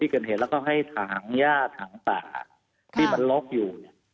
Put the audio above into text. เขาก็ให้ถังหญ้าถังป่าที่มันล๊อคอยู่